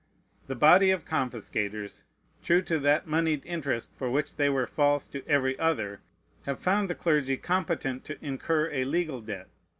The body of confiscators, true to that moneyed interest for which they were false to every other, have found the clergy competent to incur a legal debt.